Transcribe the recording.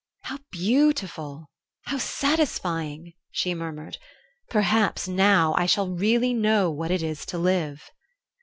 "How beautiful! How satisfying!" she murmured. "Perhaps now I shall really know what it is to live."